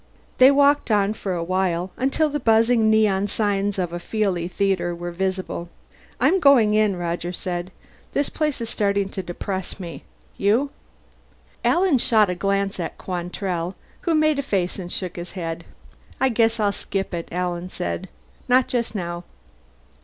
They walked on for a while until the buzzing neon signs of a feelie theater were visible. "I'm going in," Roger said. "This place is starting to depress me. You?" Alan shot a glance at Quantrell, who made a face and shook his head. "I guess I'll skip it," Alan said. "Not just now."